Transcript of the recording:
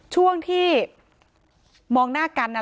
การแก้เคล็ดบางอย่างแค่นั้นเอง